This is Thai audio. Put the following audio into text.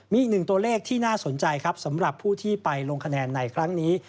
มีอีกหนึ่งตัวเลขที่น่าสนใจครับสำหรับผู้ที่ไปลงคะแนนในครั้งนี้